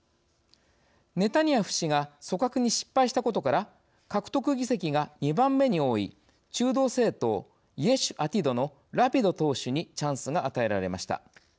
ネタニヤフ氏が組閣に失敗したことから獲得議席が２番目に多い中道政党、イェシュアティドのラピド党首にチャンスが与えられました。